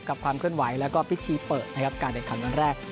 กับความเคลื่อนไหวและก็พิธีเปิดการเดินขันวันแรก